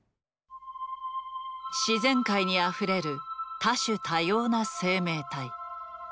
自然界にあふれる多種多様な生命体。